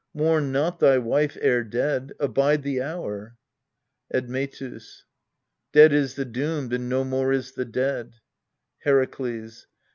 Mourn not thy wife ere dead : abide the hour. Admetus. Dead is the doomed, and no more is the dead. Herakles.